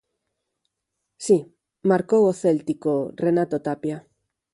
Si, marcou o céltico Renato Tapia.